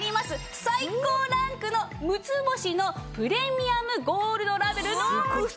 最高ランクの６つ星のプレミアムゴールドラベルの布団です。